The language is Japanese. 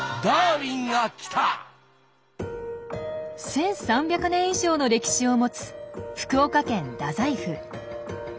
１，３００年以上の歴史を持つ福岡県太宰府。